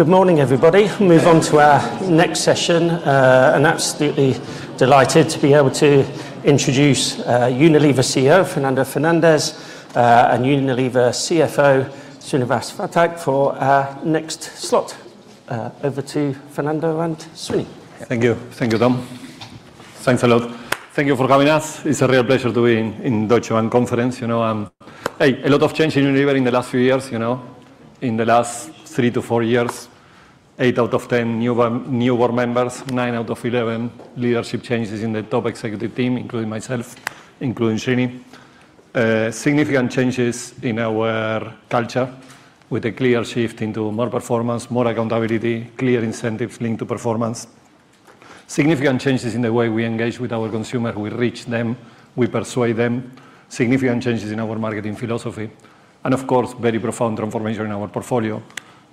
Good morning, everybody. We move on to our next session. Absolutely delighted to be able to introduce Unilever CEO, Fernando Fernandez, and Unilever CFO, Srinivas Phatak, for our next slot. Over to Fernando and Srini. Thank you. Thank you, Tom. Thanks a lot. Thank you for having us. It is a real pleasure to be in Deutsche Bank conference. A lot has changed in Unilever in the last three-four years. Eight out of 10 new board members, nine out of 11 leadership changes in the top executive team, including myself, including Srini. Significant changes in our culture with a clear shift into more performance, more accountability, clear incentives linked to performance. Significant changes in the way we engage with our consumer, we reach them, we persuade them. Significant changes in our marketing philosophy. Of course, very profound transformation in our portfolio,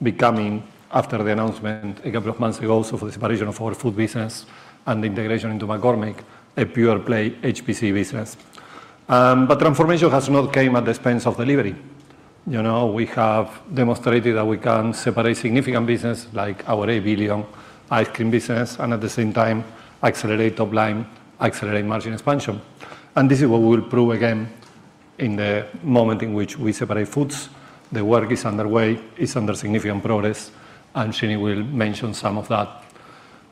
becoming, after the announcement a couple of months ago, so for the separation of our food business and the integration into McCormick, a pure-play HPC business. Transformation has not come at the expense of delivery. We have demonstrated that we can separate significant business like our 8 billion ice cream business and at the same time accelerate top line, accelerate margin expansion. This is what we'll prove again in the moment in which we separate foods. The work is underway. It's under significant progress, and Srini will mention some of that.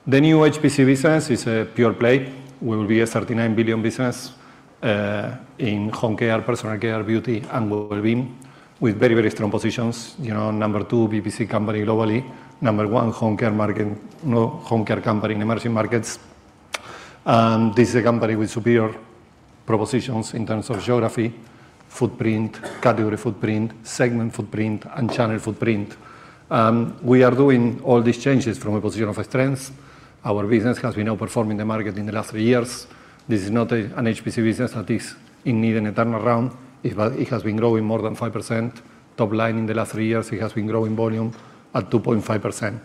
The new HPC business is a pure-play. We will be a 39 billion business in home care, personal care, beauty, and wellbeing with very, very strong positions. Number two BPC company globally. Number one home care market, home care company in emerging markets. This is a company with superior propositions in terms of geography, footprint, category footprint, segment footprint, and channel footprint. We are doing all these changes from a position of strength. Our business has been outperforming the market in the last three years. This is not an HPC business that is in need in a turnaround. It has been growing more than 5% top line in the last three years. It has been growing volume at 2.5%.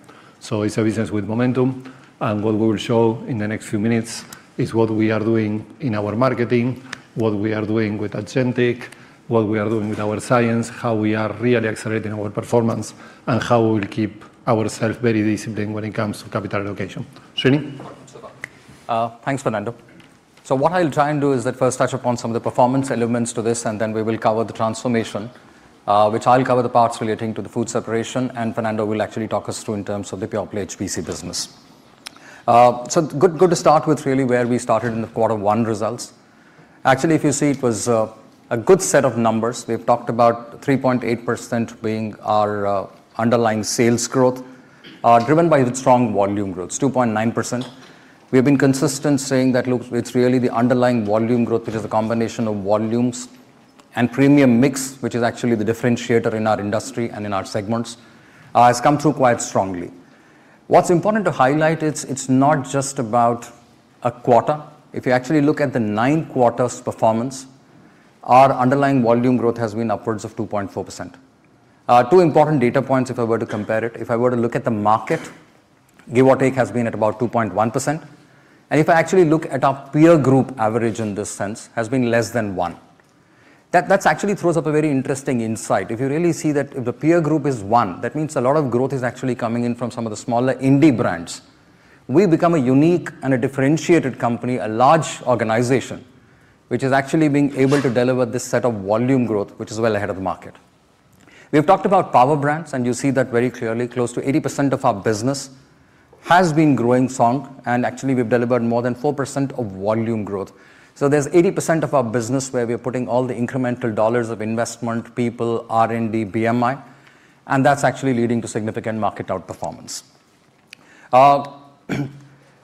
It's a business with momentum, and what we will show in the next few minutes is what we are doing in our marketing, what we are doing with Agentic, what we are doing with our science, how we are really accelerating our performance, and how we'll keep ourself very disciplined when it comes to capital allocation. Srini? Thanks, Fernando. What I'll try and do is at first touch upon some of the performance elements to this. Then we will cover the transformation, which I'll cover the parts relating to the food separation. Fernando will actually talk us through in terms of the pure-play HPC business. Good to start with really where we started in the quarter one results. Actually, if you see, it was a good set of numbers. We've talked about 3.8% being our underlying sales growth, driven by the strong volume growth, 2.9%. We have been consistent saying that, look, it's really the underlying volume growth, which is a combination of volumes and premium mix, which is actually the differentiator in our industry and in our segments, has come through quite strongly. What's important to highlight, it's not just about a quarter. If you actually look at the nine quarters' performance, our underlying volume growth has been upwards of 2.4%. Two important data points if I were to compare it. If I were to look at the market, give or take has been at about 2.1%. If I actually look at our peer group average in this sense, has been less than one. That actually throws up a very interesting insight. If you really see that the peer group is one, that means a lot of growth is actually coming in from some of the smaller indie brands. We've become a unique and a differentiated company, a large organization, which is actually being able to deliver this set of volume growth, which is well ahead of the market. We've talked about power brands, and you see that very clearly. Close to 80% of our business has been growing strong, actually we've delivered more than 4% of volume growth. There's 80% of our business where we are putting all the incremental EUR of investment, people, R&D, BMI, that's actually leading to significant market outperformance.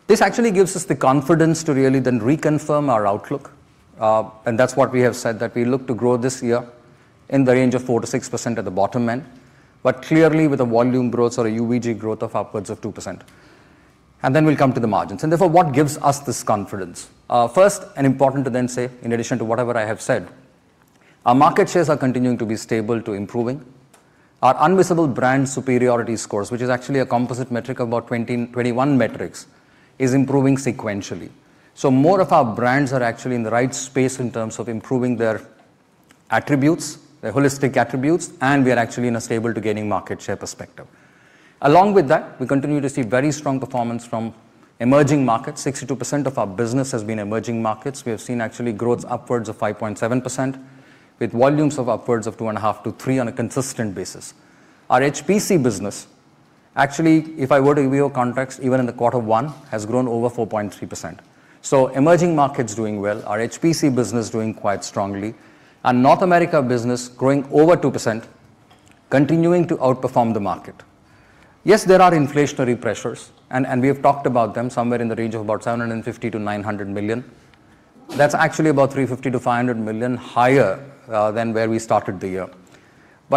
This actually gives us the confidence to really then reconfirm our outlook. That's what we have said, that we look to grow this year in the range of 4%-6% at the bottom end, clearly with a volume growth or a UVG growth of upwards of 2%. Then we'll come to the margins. Therefore, what gives us this confidence? First, important to then say, in addition to whatever I have said, our market shares are continuing to be stable to improving. Our Unmissable Brand Superiority scores, which is actually a composite metric of about 21 metrics, is improving sequentially. More of our brands are actually in the right space in terms of improving their attributes, their holistic attributes, and we are actually in a stable to gaining market share perspective. Along with that, we continue to see very strong performance from emerging markets. 62% of our business has been emerging markets. We have seen actually growth upwards of 5.7% with volumes of upwards of 2.5%-3% on a consistent basis. Our HPC business, actually, if I were to reveal context, even in the quarter one, has grown over 4.3%. Emerging markets doing well, our HPC business doing quite strongly, and North America business growing over 2%, continuing to outperform the market. Yes, there are inflationary pressures and we have talked about them somewhere in the range of about 750 million-900 million. That's actually about 350 million-500 million higher than where we started the year.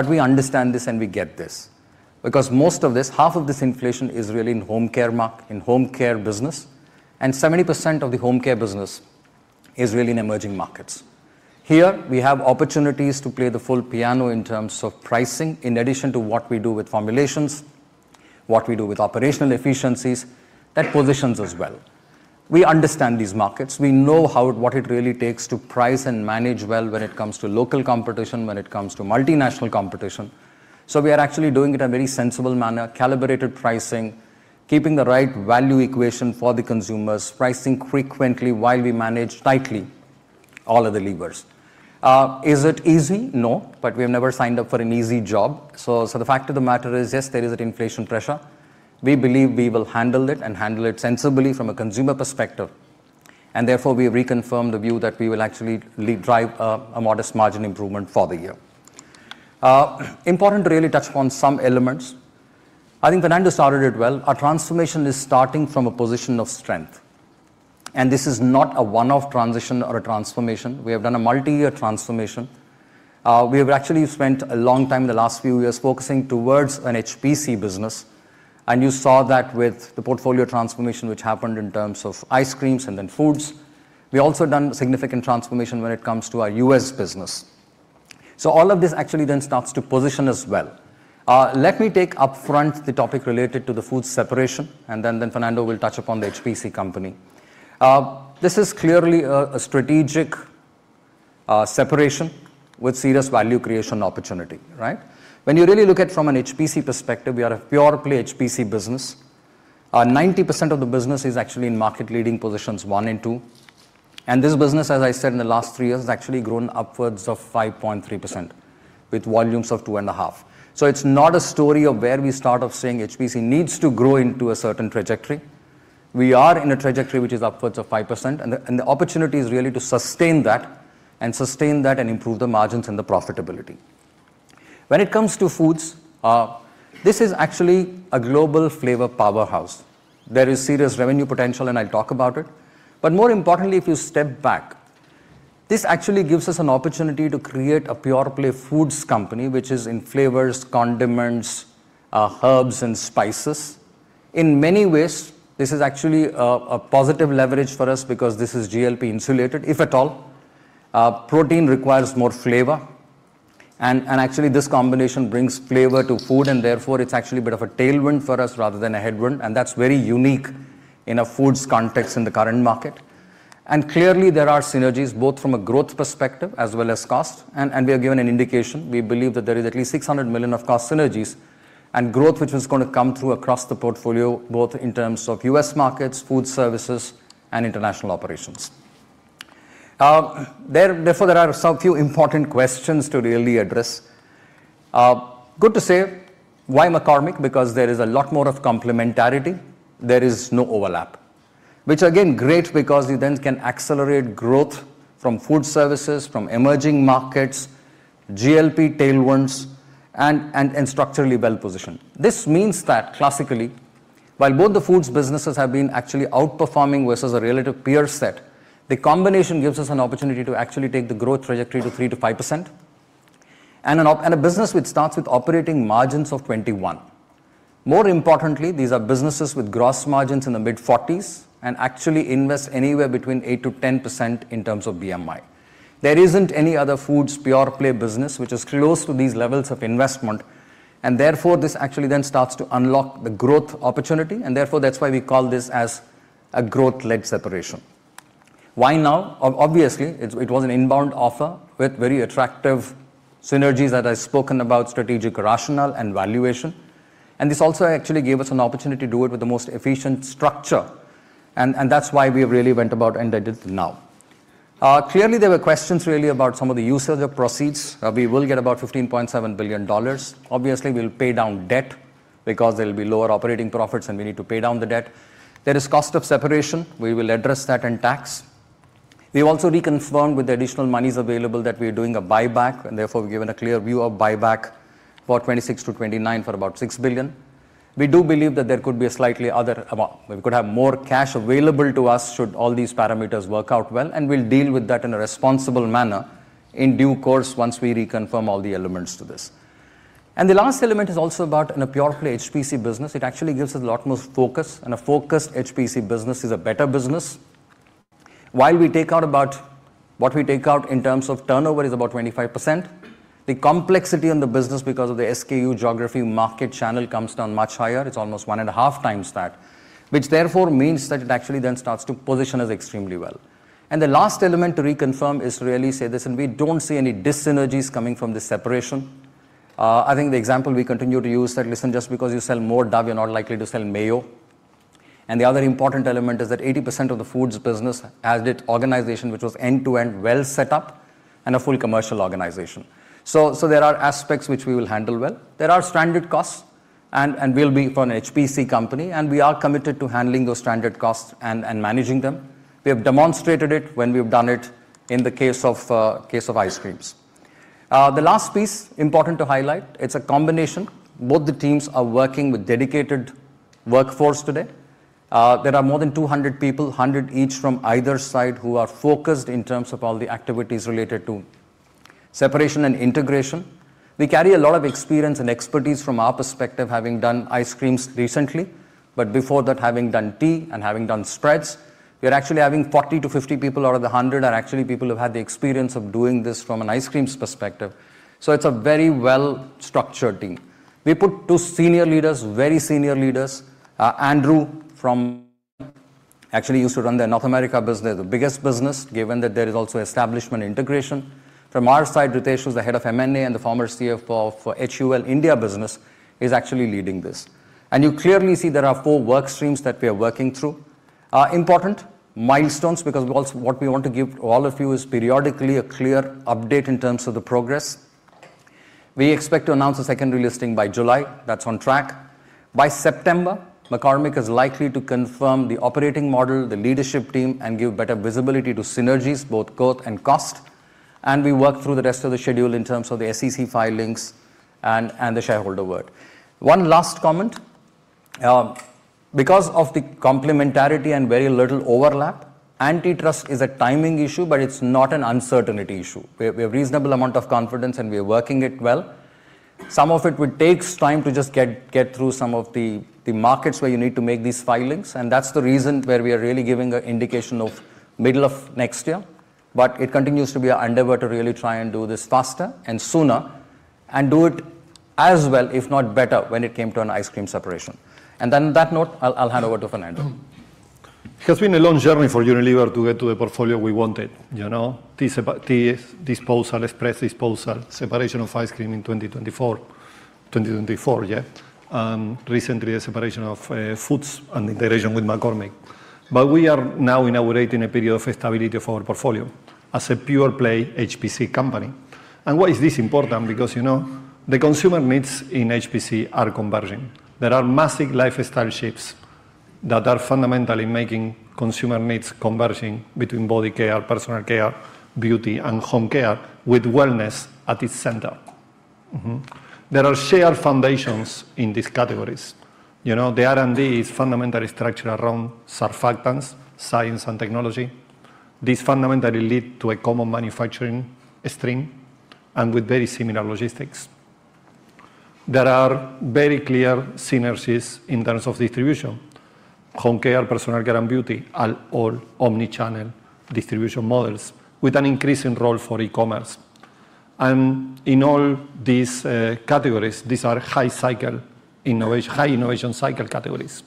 We understand this, and we get this because most of this, half of this inflation is really in home care business, and 70% of the home care business is really in emerging markets. Here, we have opportunities to play the full piano in terms of pricing, in addition to what we do with formulations, what we do with operational efficiencies. That positions us well. We understand these markets. We know what it really takes to price and manage well when it comes to local competition, when it comes to multinational competition. We are actually doing it in a very sensible manner, calibrated pricing, keeping the right value equation for the consumers, pricing frequently while we manage tightly all of the levers. Is it easy? No. We have never signed up for an easy job. The fact of the matter is, yes, there is that inflation pressure. We believe we will handle it and handle it sensibly from a consumer perspective. Therefore, we reconfirm the view that we will actually drive a modest margin improvement for the year. Important to really touch upon some elements. I think Fernando started it well. Our transformation is starting from a position of strength. This is not a one-off transition or a transformation. We have done a multi-year transformation. We have actually spent a long time, the last few years, focusing towards an HPC business, and you saw that with the portfolio transformation, which happened in terms of ice cream and then foods. We've also done significant transformation when it comes to our U.S. business. All of this actually then starts to position us well. Let me take upfront the topic related to the foods separation, and then Fernando will touch upon the HPC company. This is clearly a strategic separation with serious value creation opportunity, right? When you really look at it from an HPC perspective, we are a pure-play HPC business. 90% of the business is actually in market leading positions one and two. This business, as I said, in the last three years, has actually grown upwards of 5.3% with volumes of 2.5%. It's not a story of where we start off saying HPC needs to grow into a certain trajectory. We are in a trajectory which is upwards of 5%, and the opportunity is really to sustain that, and sustain that and improve the margins and the profitability. When it comes to foods, this is actually a global flavor powerhouse. There is serious revenue potential, and I'll talk about it. More importantly, if you step back, this actually gives us an opportunity to create a pure-play foods company, which is in flavors, condiments, herbs, and spices. In many ways, this is actually a positive leverage for us because this is GLP insulated, if at all. Protein requires more flavor. Actually, this combination brings flavor to food, and therefore, it's actually a bit of a tailwind for us rather than a headwind, and that's very unique in a foods context in the current market. Clearly, there are synergies, both from a growth perspective as well as cost. We are given an indication. We believe that there is at least 600 million of cost synergies and growth, which is going to come through across the portfolio, both in terms of U.S. markets, food services, and international operations. Therefore, there are a few important questions to really address. Good to say, why McCormick? Because there is a lot more of complementarity. There is no overlap. Which again, great, because you then can accelerate growth from food services, from emerging markets, GLP tailwinds, and structurally well-positioned. This means that classically, while both the foods businesses have been actually outperforming versus a relative peer set, the combination gives us an opportunity to actually take the growth trajectory to 3%-5%. A business which starts with operating margins of 21%. More importantly, these are businesses with gross margins in the mid-40s actually invest anywhere between 8%-10% in terms of BMI. There isn't any other foods pure-play business which is close to these levels of investment, therefore, this actually then starts to unlock the growth opportunity, therefore, that's why we call this as a growth-led separation. Why now? Obviously, it was an inbound offer with very attractive synergies that I've spoken about, strategic, rational, and valuation. This also actually gave us an opportunity to do it with the most efficient structure, and that's why we really went about and did it now. Clearly, there were questions really about some of the use of the proceeds. We will get about $15.7 billion. Obviously, we'll pay down debt because there'll be lower operating profits, and we need to pay down the debt. There is cost of separation. We will address that in tax. We've also reconfirmed with the additional monies available that we are doing a buyback, and therefore, we've given a clear view of buyback for 2026 -2029 for about $6 billion. We do believe that there could be a slightly other amount. We could have more cash available to us should all these parameters work out well. We'll deal with that in a responsible manner in due course once we reconfirm all the elements to this. The last element is also about in a pure-play HPC business, it actually gives us a lot more focus. A focused HPC business is a better business. What we take out in terms of turnover is about 25%. The complexity in the business because of the SKU geography market channel comes down much higher. It's almost one and a half times that. Which therefore means that it actually then starts to position us extremely well. The last element to reconfirm is to really say this. We don't see any dis-synergies coming from this separation. I think the example we continue to use that, listen, just because you sell more Dove, you're not likely to sell mayo. The other important element is that 80% of the foods business, as its organization, which was end-to-end well set up and a full commercial organization. There are aspects which we will handle well. There are standard costs, and will be for an HPC company, and we are committed to handling those standard costs and managing them. We have demonstrated it when we've done it in the case of ice creams. The last piece, important to highlight, it's a combination. Both the teams are working with dedicated workforce today. There are more than 200 people, 100 each from either side, who are focused in terms of all the activities related to separation and integration. We carry a lot of experience and expertise from our perspective, having done ice creams recently, but before that, having done tea and having done spreads. We're actually having 40 - 50 people out of the 100 are actually people who've had the experience of doing this from an ice creams perspective, so it's a very well-structured team. We put two senior leaders, very senior leaders. Andrew actually used to run the North America business, the biggest business, given that there is also establishment integration. From our side, Richard Shin, the Head of M&A and the former CFO for HUL India business is actually leading this. You clearly see there are four work streams that we are working through. Important milestones because what we want to give all of you is periodically a clear update in terms of the progress. We expect to announce the secondary listing by July. That's on track. By September, McCormick is likely to confirm the operating model, the leadership team, and give better visibility to synergies, both growth and cost. We work through the rest of the schedule in terms of the SEC filings and the shareholder work. One last comment. Because of the complementarity and very little overlap, antitrust is a timing issue, but it's not an uncertainty issue. We have reasonable amount of confidence, and we are working it well. Some of it would take time to just get through some of the markets where you need to make these filings, and that's the reason where we are really giving an indication of middle of next year. It continues to be our endeavor to really try and do this faster and sooner and do it as well, if not better, when it came to an ice cream separation. On that note, I'll hand over to Fernando. It has been a long journey for Unilever to get to a portfolio we wanted. This disposal, express disposal, separation of ice cream in 2024, yeah. Recently, a separation of foods and integration with McCormick. We are now in our right in a period of stability for our portfolio as a pure-play HPC company. Why is this important? Because the consumer needs in HPC are converging. There are massive lifestyle shifts that are fundamentally making consumer needs converging between body care, personal care, beauty, and home care, with wellness at its center. Mm-hmm. There are shared foundations in these categories. The R&D is fundamentally structured around surfactants, science, and technology. These fundamentally lead to a common manufacturing stream and with very similar logistics. There are very clear synergies in terms of distribution. Home care, personal care, and beauty are all omni-channel distribution models with an increasing role for e-commerce. In all these categories, these are high innovation cycle categories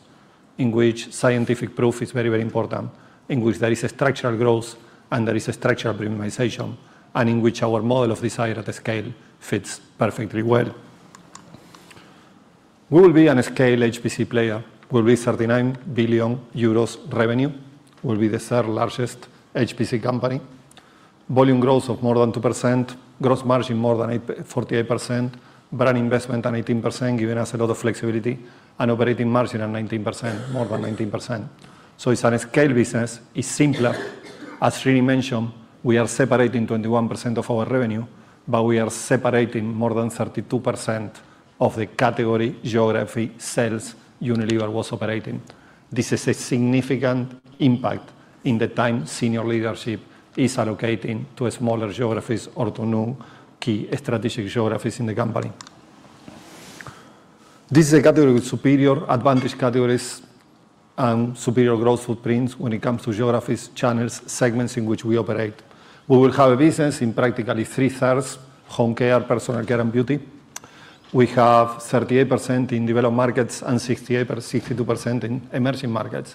in which scientific proof is very, very important, in which there is a structural growth and there is a structural premiumization, and in which our model of Desire at Scale fits perfectly well. We will be a scale HPC player. We'll be 39 billion euros revenue, we'll be the third largest HPC company. Volume growth of more than 2%, gross margin more than 48%, brand investment at 18%, giving us a lot of flexibility, and operating margin at 19%, more than 19%. It's a scale business. It's simpler. As Sri mentioned, we are separating 21% of our revenue, but we are separating more than 32% of the category geography sales Unilever was operating. This is a significant impact in the time senior leadership is allocating to a smaller geographies or to new key strategic geographies in the company. This is a category with superior advantage categories and superior growth footprints when it comes to geographies, channels, segments in which we operate. We will have a business in practically three-thirds home care, personal care, and beauty. We have 38% in developed markets and 62% in emerging markets.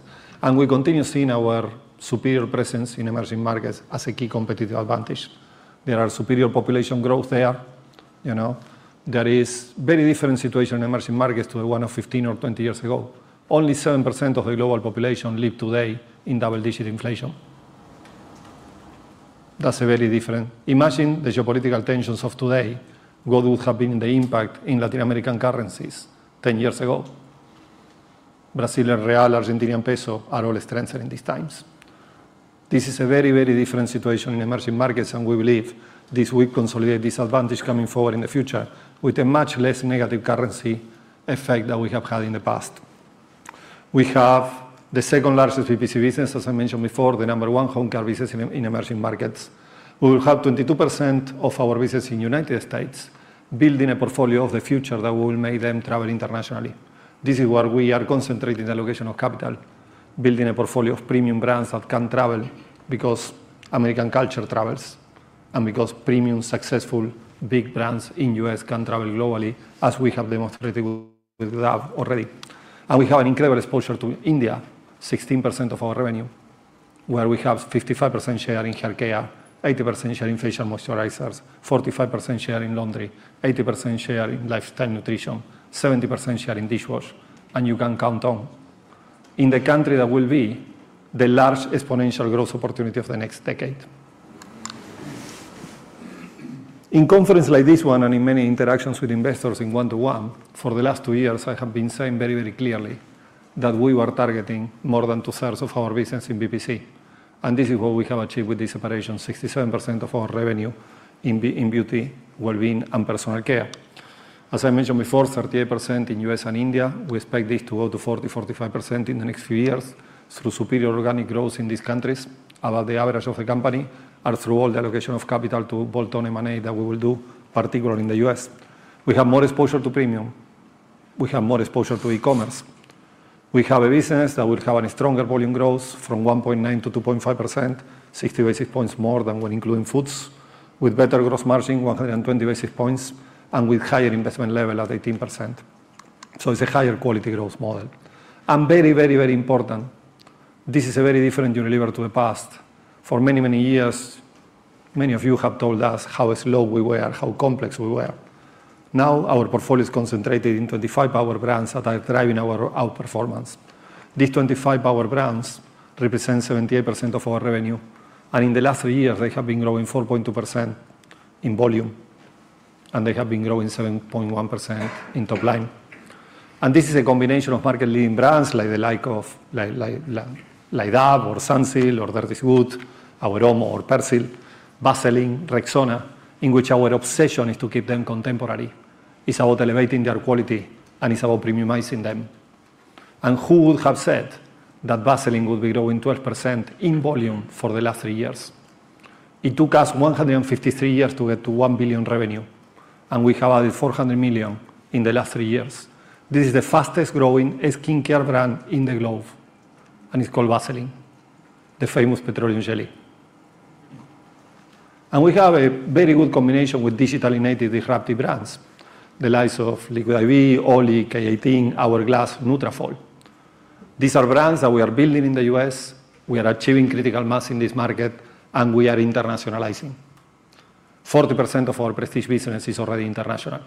We continue seeing our superior presence in emerging markets as a key competitive advantage. There are superior population growth there. There is very different situation in emerging markets to one of 15 or 20 years ago. Only 7% of the global population live today in double-digit inflation. That's very different. Imagine the geopolitical tensions of today, what would have been the impact in Latin American currencies 10 years ago. Brazilian real, Argentinian peso are all strengthening these times. This is a very, very different situation in emerging markets, and we believe this will consolidate this advantage coming forward in the future with a much less negative currency effect than we have had in the past. We have the second largest BPC business, as I mentioned before, the number one home care business in emerging markets. We will have 22% of our business in U.S. building a portfolio of the future that will make them travel internationally. This is where we are concentrating the allocation of capital, building a portfolio of premium brands that can travel because American culture travels and because premium, successful, big brands in U.S. can travel globally, as we have demonstrated with Love Beauty and Planet already. We have an incredible exposure to India, 16% of our revenue, where we have 55% share in hair care, 80% share in facial moisturizers, 45% share in laundry, 80% share in lifetime nutrition, 70% share in dishwash. You can count on in the country that will be the large exponential growth opportunity of the next decade. In conferences like this one and in many interactions with investors in one to one, for the last two years, I have been saying very, very clearly that we were targeting more than two-thirds of our business in BPC, and this is what we have achieved with this operation, 67% of our revenue in beauty, wellbeing, and personal care. As I mentioned before, 38% in U.S. and India. We expect this to go to 40%-45% in the next few years through superior organic growth in these countries above the average of the company and through all the allocation of capital to bolt-on M&A that we will do, particularly in the U.S. We have more exposure to premium. We have more exposure to e-commerce. We have a business that will have a stronger volume growth from 1.9%-2.5%, 60 basis points more than when including foods, with better gross margin, 120 basis points, and with higher investment level at 18%. It's a higher quality growth model. Very important, this is a very different Unilever to the past. For many years, many of you have told us how slow we were, how complex we were. Now our portfolio is concentrated in 25 power brands that are driving our outperformance. These 25 power brands represent 78% of our revenue. In the last three years, they have been growing 4.2% in volume. They have been growing 7.1% in top line. This is a combination of market leading brands like Dove or Sunsilk or Rexona, in which our obsession is to keep them contemporary. It's about elevating their quality and it's about premiumizing them. Who would have said that Vaseline would be growing 12% in volume for the last three years? It took us 153 years to get to 1 billion revenue. We have added 400 million in the last three years. This is the fastest growing skincare brand in the globe. It's called Vaseline, the famous petroleum jelly. We have a very good combination with digitally native disruptive brands, the likes of Liquid I.V., OLLY, K18, Hourglass, Nutrafol. These are brands that we are building in the U.S., we are achieving critical mass in this market, and we are internationalizing. 40% of our prestige business is already international.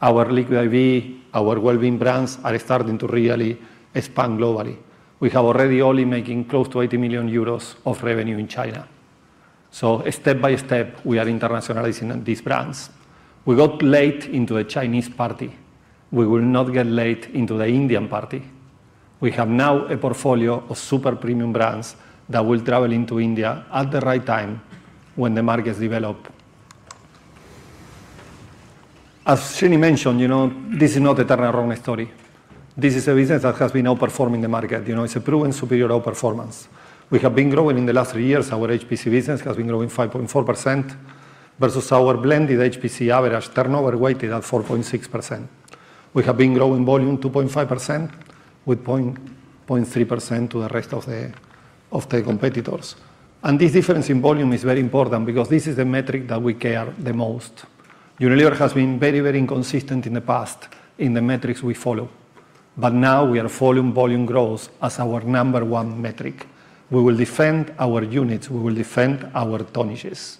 Our Liquid I.V., our wellbeing brands are starting to really expand globally. We have already OLLY making close to 80 million euros of revenue in China. Step by step, we are internationalizing these brands. We got late into a Chinese party. We will not get late into the Indian party. We have now a portfolio of super premium brands that will travel into India at the right time when the markets develop. As Srini mentioned, this is not a turnaround story. This is a business that has been outperforming the market. It's a proven superior outperformance. We have been growing in the last three years, our HPC business has been growing 5.4% versus our blended HPC average turnover weighted at 4.6%. We have been growing volume 2.5% with 0.3% to the rest of the competitors. This difference in volume is very important because this is the metric that we care the most. Unilever has been very inconsistent in the past in the metrics we follow. Now we are following volume growth as our number one metric. We will defend our units. We will defend our tonnages.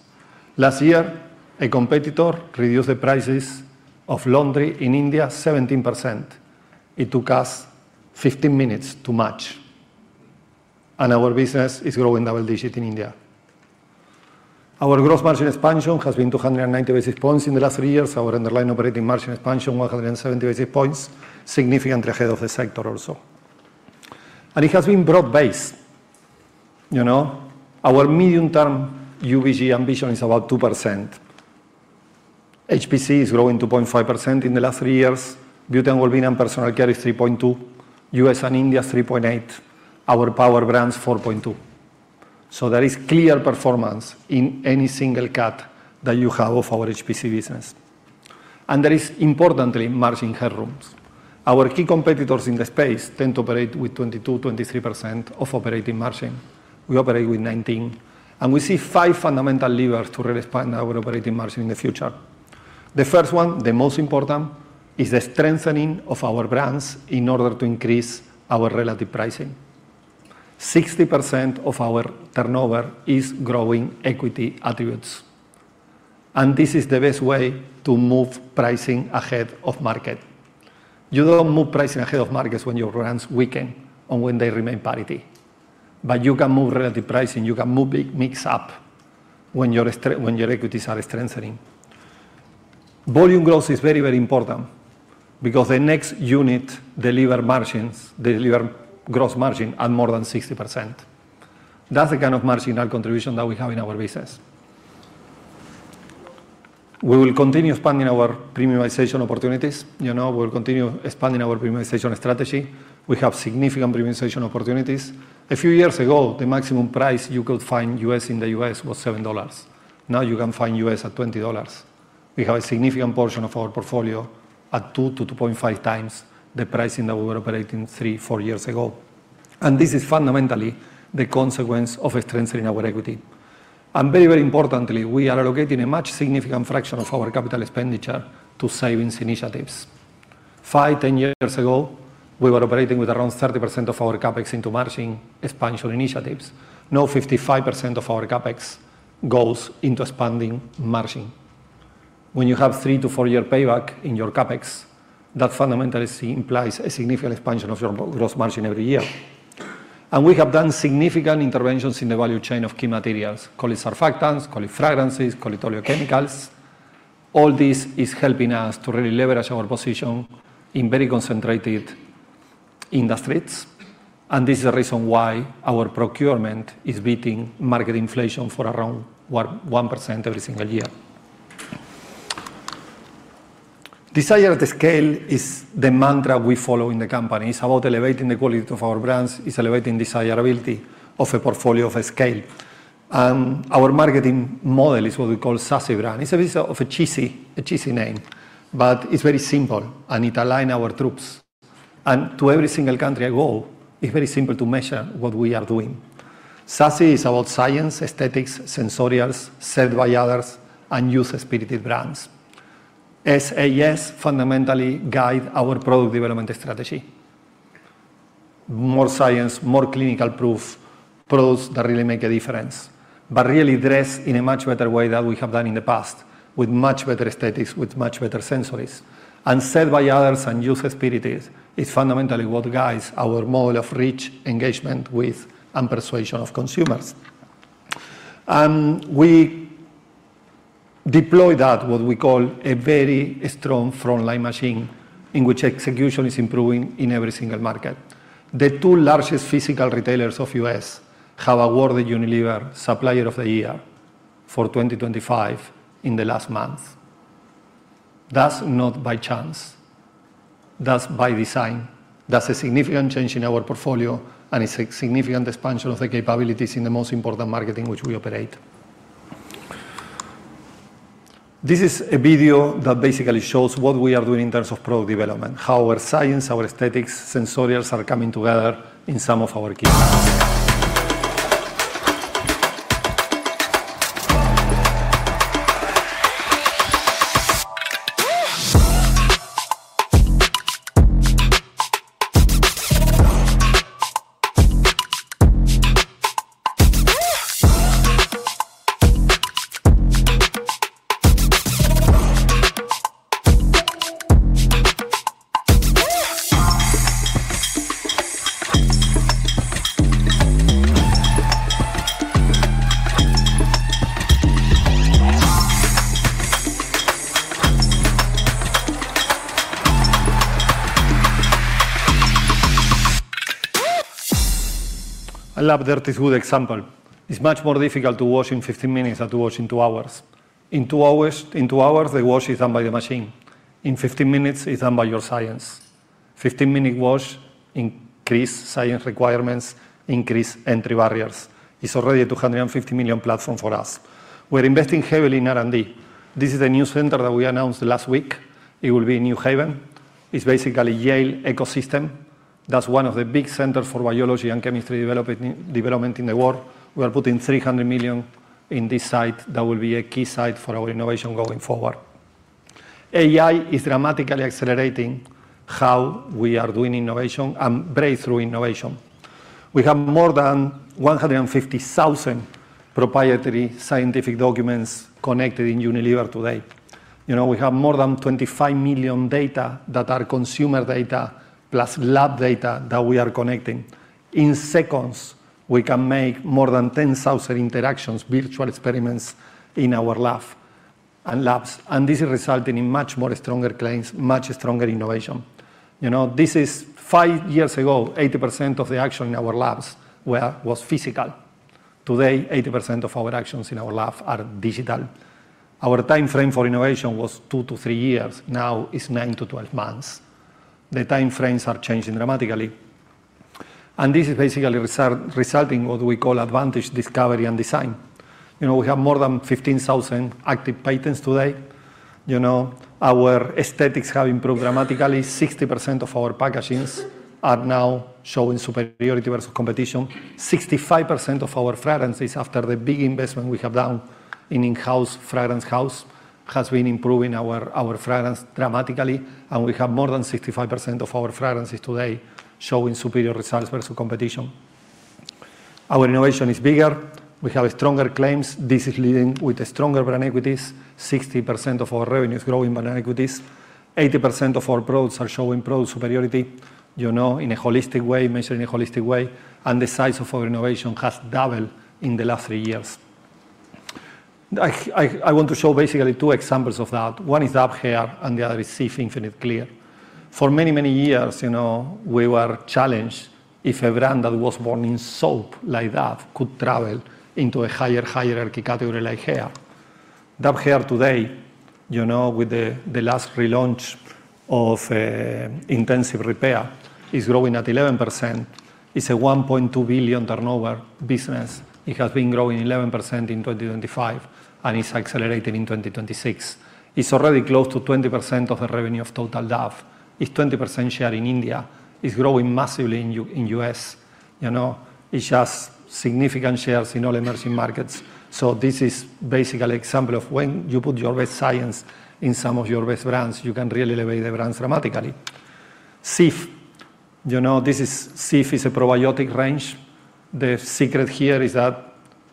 Last year, a competitor reduced the prices of laundry in India 17%. It took us 15 minutes to match. Our business is growing double digit in India. Our gross margin expansion has been 290 basis points in the last three years. Our underlying operating margin expansion, 170 basis points, significantly ahead of the sector also. It has been broad based. Our medium-term UVG ambition is about 2%. HPC is growing 2.5% in the last three years. Beauty and wellbeing and personal care is 3.2%, U.S. and India 3.8%, our power brands 4.2%. There is clear performance in any single cut that you have of our HPC business. There is importantly margin headroom. Our key competitors in the space tend to operate with 22%, 23% of operating margin. We operate with 19%, and we see five fundamental levers to really expand our operating margin in the future. The first one, the most important, is the strengthening of our brands in order to increase our relative pricing. 60% of our turnover is growing equity attributes, and this is the best way to move pricing ahead of market. You don't move pricing ahead of markets when your brands weaken and when they remain parity. You can move relative pricing, you can move mix up when your equities are strengthening. Volume growth is very important because the next unit deliver gross margin at more than 60%. That's the kind of marginal contribution that we have in our business. We will continue expanding our premiumization opportunities. We'll continue expanding our premiumization strategy. We have significant premiumization opportunities. A few years ago, the maximum price you could find US in the U.S. was $7. Now you can find US at $20. We have a significant portion of our portfolio at 2 to 2.5x the pricing that we were operating three, four years ago. This is fundamentally the consequence of strengthening our equity. Very importantly, we are allocating a much significant fraction of our capital expenditure to savings initiatives. Five, 10 years ago, we were operating with around 30% of our CapEx into margin expansion initiatives. Now 55% of our CapEx goes into expanding margin. When you have three to four-year payback in your CapEx, that fundamentally implies a significant expansion of your gross margin every year. We have done significant interventions in the value chain of key materials, call it surfactants, call it fragrances, call it oleochemicals. All this is helping us to really leverage our position in very concentrated industries, and this is the reason why our procurement is beating market inflation for around 1% every single year. Desire at Scale is the mantra we follow in the company. It's about elevating the quality of our brands. It's elevating desirability of a portfolio of scale. Our marketing model is what we call SASSY brand. It's a bit of a cheesy name, but it's very simple and it align our troops. To every single country I go, it's very simple to measure what we are doing. SASSY is about science, aesthetics, sensorials, said by others, and youth-spirited brands. SAS fundamentally guide our product development strategy. More science, more clinical proof, products that really make a difference, but really dressed in a much better way than we have done in the past, with much better aesthetics, with much better sensorials. Said by others and youth-spirited is fundamentally what guides our model of reach, engagement with, and persuasion of consumers. We deploy that, what we call a very strong frontline machine, in which execution is improving in every single market. The two largest physical retailers of U.S. have awarded Unilever Supplier of the Year for 2025 in the last month. That's not by chance. That's by design. That's a significant change in our portfolio, and it's a significant expansion of the capabilities in the most important marketing which we operate. This is a video that basically shows what we are doing in terms of product development, how our science, our aesthetics, sensorials are coming together in some of our key brands. I love Dirt Is Good example. It's much more difficult to wash in 15 minutes than to wash in two hours. In two hours, the wash is done by the machine. In 15 minutes, it's done by your science. 15-minute wash increase science requirements, increase entry barriers. It's already a 250 million platform for us. We're investing heavily in R&D. This is a new center that we announced last week. It will be in New Haven. It's basically Yale ecosystem. That's one of the big centers for biology and chemistry development in the world. We are putting 300 million in this site. That will be a key site for our innovation going forward. AI is dramatically accelerating how we are doing innovation and breakthrough innovation. We have more than 150,000 proprietary scientific documents connected in Unilever today. We have more than 25 million data that are consumer data plus lab data that we are connecting. In seconds, we can make more than 10,000 interactions, virtual experiments in our lab and labs, and this is resulting in much more stronger claims, much stronger innovation. Five years ago, 80% of the action in our labs was physical. Today, 80% of our actions in our lab are digital. Our time frame for innovation was two to three years. Now it's nine to 12 months. The time frames are changing dramatically. This is basically resulting what we call advantage discovery and design. We have more than 15,000 active patents today. Our aesthetics have improved dramatically. 60% of our packagings are now showing superiority versus competition. 65% of our fragrances after the big investment we have done in in-house fragrance house, has been improving our fragrance dramatically. We have more than 65% of our fragrances today showing superior results versus competition. Our innovation is bigger. We have stronger claims. This is leading with stronger brand equities. 60% of our revenue is growing brand equities. 80% of our products are showing product superiority measured in a holistic way. The size of our innovation has doubled in the last three years. I want to show basically two examples of that. One is Dove Hair, and the other is Cif Infinite Clean. For many, many years, we were challenged if a brand that was born in soap like that could travel into a higher hierarchy category like hair. Dove Hair today, with the last relaunch of Intensive Repair, is growing at 11%. It's a 1.2 billion turnover business. It has been growing 11% in 2025, and it's accelerating in 2026. It's already close to 20% of the revenue of total Dove. It's 20% share in India. It's growing massively in U.S. It has significant shares in all emerging markets. This is basically example of when you put your best science in some of your best brands, you can really elevate the brands dramatically. Cif. Cif is a probiotic range. The secret here is that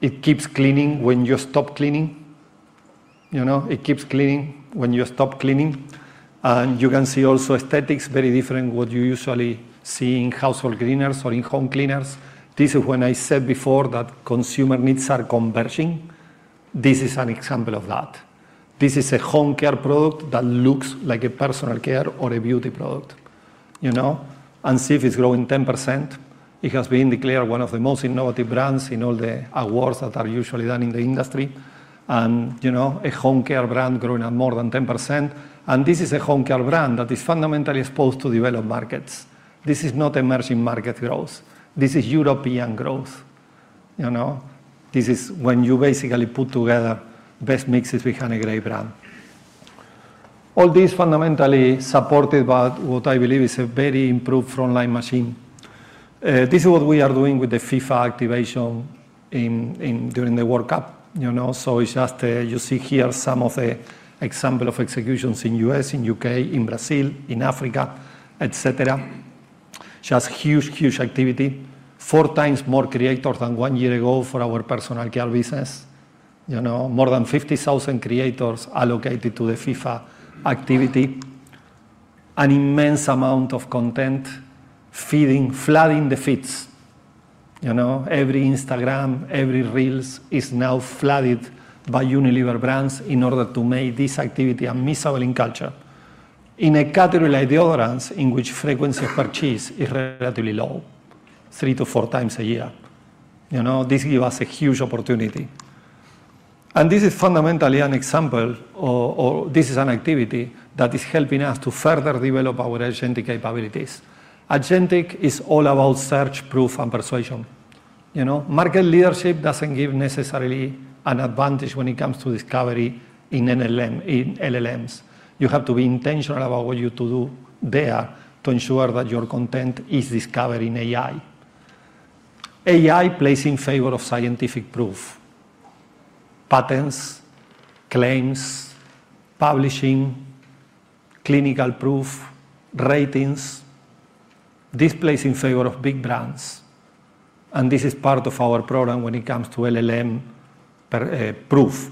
it keeps cleaning when you stop cleaning. It keeps cleaning when you stop cleaning. You can see also aesthetics, very different what you usually see in household cleaners or in home cleaners. This is when I said before that consumer needs are converging. This is an example of that. This is a home care product that looks like a personal care or a beauty product. Cif is growing 10%. It has been declared one of the most innovative brands in all the awards that are usually done in the industry. A home care brand growing at more than 10%. This is a home care brand that is fundamentally exposed to developed markets. This is not emerging market growth. This is European growth. This is when you basically put together best mixes with a great brand. All this fundamentally supported by what I believe is a very improved frontline machine. You see here some of the example of executions in U.S., in U.K., in Brazil, in Africa, et cetera. Just huge activity. Four times more creators than one year ago for our personal care business. More than 50,000 creators allocated to the FIFA activity. An immense amount of content flooding the feeds. Every Instagram, every Reels is now flooded by Unilever brands in order to make this activity unmissable in culture. In a category like deodorants, in which frequency of purchase is relatively low, three to four times a year, this give us a huge opportunity. This is fundamentally an example, or this is an activity that is helping us to further develop our Agentic capabilities. Agentic is all about search, proof, and persuasion. Market leadership doesn't give necessarily an advantage when it comes to discovery in LLMs. You have to be intentional about what you do there to ensure that your content is discovered in AI. AI plays in favor of scientific proof, patents, claims, publishing, clinical proof, ratings. This plays in favor of big brands, and this is part of our program when it comes to LLM proof.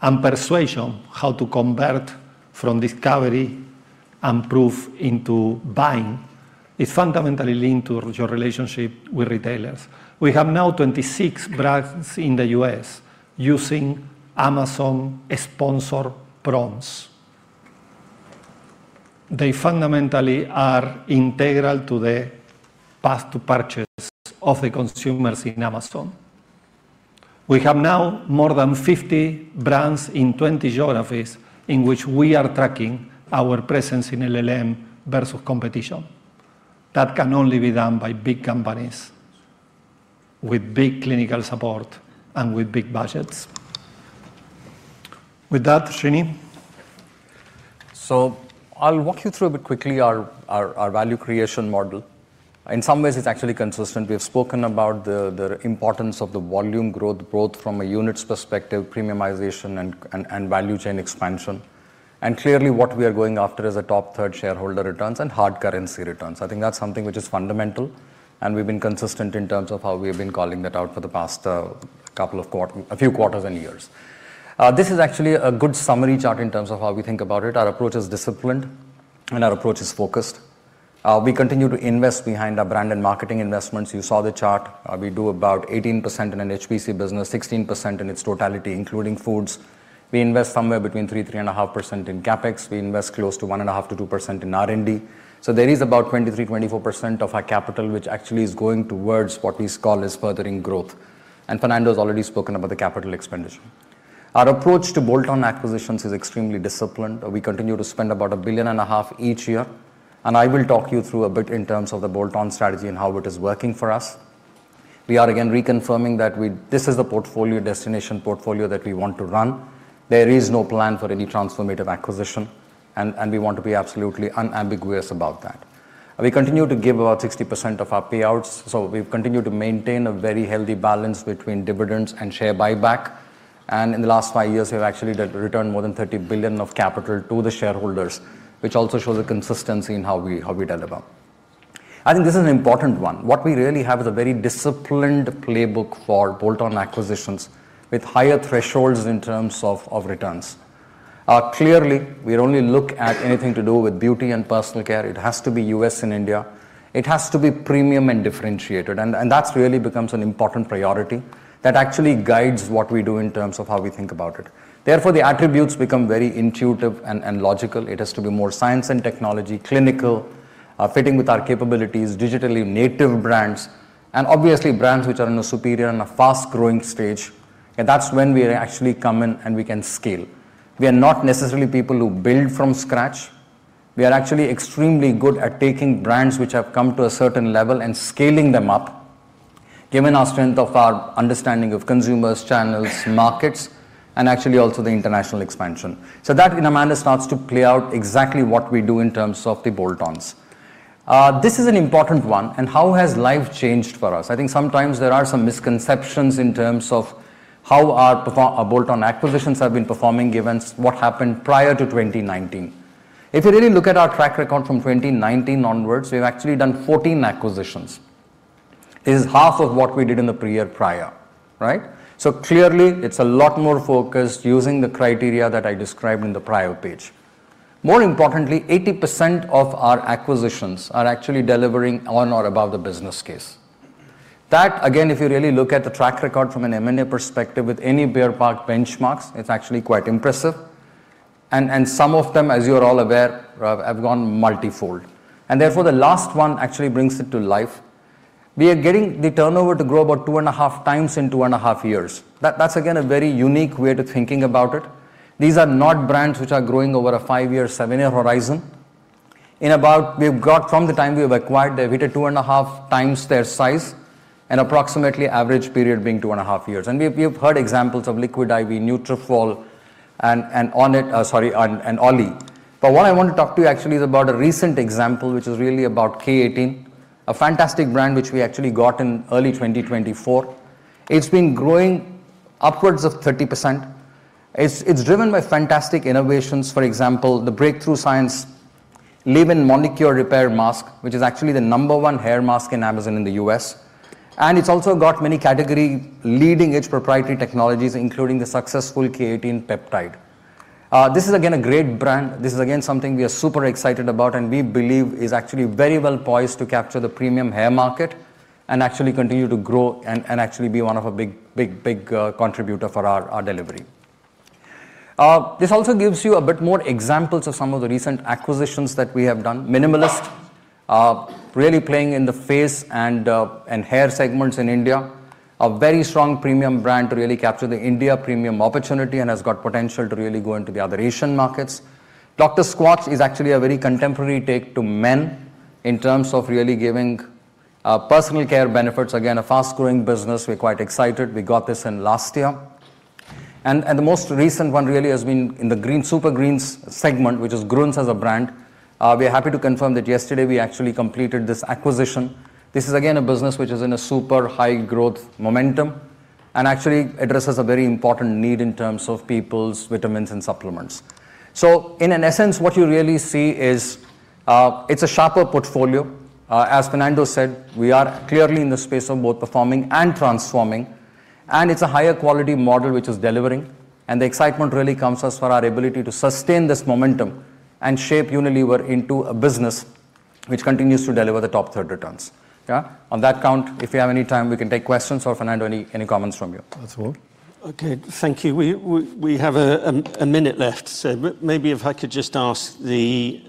Persuasion, how to convert from discovery and proof into buying, is fundamentally linked to your relationship with retailers. We have now 26 brands in the U.S. using Amazon Sponsored Products. They fundamentally are integral to the path to purchase of the consumers in Amazon. We have now more than 50 brands in 20 geographies in which we are tracking our presence in LLM versus competition. That can only be done by big companies with big clinical support and with big budgets. With that, Srini. I'll walk you through a bit quickly our value creation model. In some ways, it's actually consistent. We have spoken about the importance of the volume growth, both from a units perspective, premiumization, and value chain expansion. Clearly what we are going after is a top third shareholder returns and hard currency returns. I think that's something which is fundamental, and we've been consistent in terms of how we've been calling that out for the past few quarters and years. This is actually a good summary chart in terms of how we think about it. Our approach is disciplined, and our approach is focused. We continue to invest behind our brand and marketing investments. You saw the chart. We do about 18% in an HPC business, 16% in its totality, including foods. We invest somewhere between 3%, 3.5% in CapEx. We invest close to 1.5%-2% in R&D. There is about 23%-24% of our capital, which actually is going towards what we call is furthering growth. Fernando's already spoken about the capital expenditure. Our approach to bolt-on acquisitions is extremely disciplined. We continue to spend about EUR a billion and a half each year. I will talk you through a bit in terms of the bolt-on strategy and how it is working for us. We are again reconfirming that this is the portfolio destination portfolio that we want to run. There is no plan for any transformative acquisition. We want to be absolutely unambiguous about that. We continue to give about 60% of our payouts. We've continued to maintain a very healthy balance between dividends and share buyback. In the last five years, we've actually returned more than 30 billion of capital to the shareholders, which also shows a consistency in how we deliver. I think this is an important one. What we really have is a very disciplined playbook for bolt-on acquisitions with higher thresholds in terms of returns. Clearly, we only look at anything to do with beauty and personal care. It has to be U.S. and India. It has to be premium and differentiated, and that really becomes an important priority that actually guides what we do in terms of how we think about it. Therefore, the attributes become very intuitive and logical. It has to be more science and technology, clinical, fitting with our capabilities, digitally native brands, and obviously brands which are in a superior and a fast-growing stage, and that's when we actually come in and we can scale. We are not necessarily people who build from scratch. We are actually extremely good at taking brands which have come to a certain level and scaling them up given our strength of our understanding of consumers, channels, markets, and actually also the international expansion. That, in a manner, starts to play out exactly what we do in terms of the bolt-ons. This is an important one. How has life changed for us? I think sometimes there are some misconceptions in terms of how our bolt-on acquisitions have been performing given what happened prior to 2019. If you really look at our track record from 2019 onwards, we've actually done 14 acquisitions. It is half of what we did in the pre-year prior. Right? Clearly it's a lot more focused using the criteria that I described in the prior page. More importantly, 80% of our acquisitions are actually delivering on or above the business case. That, again, if you really look at the track record from an M&A perspective with any peer group benchmarks, it's actually quite impressive. Some of them, as you are all aware, have gone multifold. The last one actually brings it to life. We are getting the turnover to grow about two and a half times in two and a half years. That's again, a very unique way to thinking about it. These are not brands which are growing over a five-year, seven-year horizon. We've got from the time we have acquired them, we did two and a half times their size, and approximately average period being two and a half years. We have heard examples of Liquid I.V., Nutrafol, and OLLY. What I want to talk to you actually is about a recent example, which is really about K18, a fantastic brand, which we actually got in early 2024. It's been growing upwards of 30%. It's driven by fantastic innovations. For example, the breakthrough science Leave-In Molecular Repair Hair Mask, which is actually the number 1 hair mask in Amazon in the U.S. It's also got many category leading-edge proprietary technologies, including the successful K18Peptide. This is again, a great brand. This is again, something we are super excited about and we believe is actually very well poised to capture the premium hair market and actually continue to grow and actually be one of a big contributor for our delivery. This also gives you a bit more examples of some of the recent acquisitions that we have done. Minimalist, really playing in the face and hair segments in India. A very strong premium brand to really capture the India premium opportunity and has got potential to really go into the other Asian markets. Dr. Squatch is actually a very contemporary take to men in terms of really giving personal care benefits. Again, a fast-growing business. We're quite excited. We got this in last year. The most recent one really has been in the super greens segment, which is Grüns as a brand. We are happy to confirm that yesterday we actually completed this acquisition. This is again, a business which is in a super high growth momentum and actually addresses a very important need in terms of people's vitamins and supplements. In essence, what you really see is, it's a sharper portfolio. As Fernando said, we are clearly in the space of both performing and transforming. It's a higher quality model which is delivering. The excitement really comes as for our ability to sustain this momentum and shape Unilever into a business which continues to deliver the top third returns. Yeah. On that count, if you have any time, we can take questions. Fernando, any comments from you? That's all. Okay, thank you. We have a minute left, so maybe if I could just ask the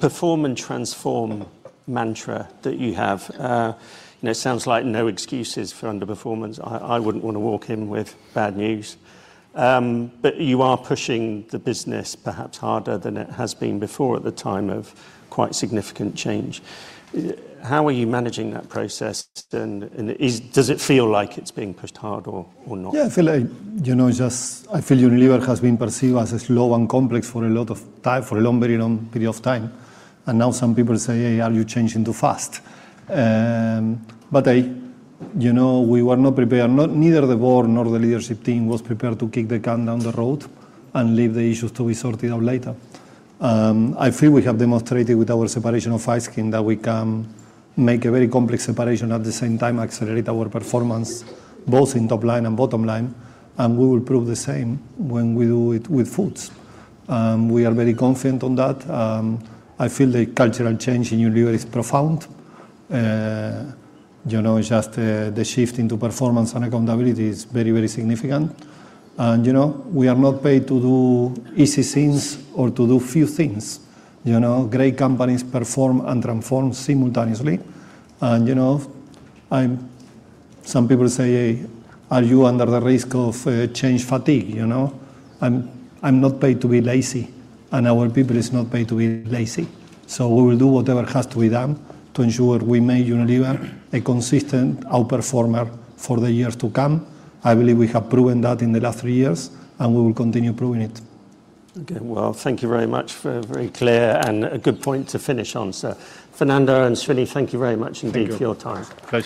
perform and transform mantra that you have. It sounds like no excuses for underperformance. I wouldn't want to walk in with bad news. You are pushing the business perhaps harder than it has been before at the time of quite significant change. How are you managing that process, and does it feel like it's being pushed hard or not? Yeah, I feel Unilever has been perceived as slow and complex for a lot of time, for a long, very long period of time. Now some people say, "Hey, are you changing too fast?" We were not prepared, neither the board nor the leadership team was prepared to kick the can down the road and leave the issues to be sorted out later. I feel we have demonstrated with our separation of ice cream that we can make a very complex separation at the same time, accelerate our performance both in top line and bottom line, and we will prove the same when we do it with foods. We are very confident on that. I feel the cultural change in Unilever is profound. Just the shift into performance and accountability is very, very significant. We are not paid to do easy things or to do few things. Great companies perform and transform simultaneously. Some people say, "Are you under the risk of change fatigue?" I'm not paid to be lazy, and our people is not paid to be lazy. We will do whatever has to be done to ensure we make Unilever a consistent outperformer for the years to come. I believe we have proven that in the last three years, and we will continue proving it. Okay. Well, thank you very much for a very clear and a good point to finish on, sir. Fernando and Srini, thank you very much indeed for your time. Pleasure.